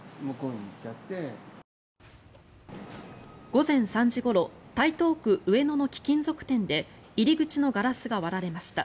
午前３時ごろ台東区上野の貴金属店で入り口のガラスが割られました。